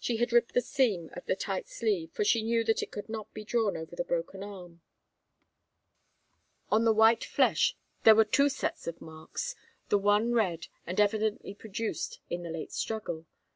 She had ripped the seam of the tight sleeve, for she knew that it could not be drawn over the broken arm. On the white flesh there were two sets of marks the one red, and evidently produced in the late struggle.